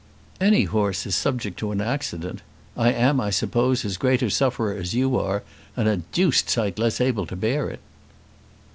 "Any horse is subject to an accident. I am, I suppose, as great a sufferer as you are, and a deuced sight less able to bear it."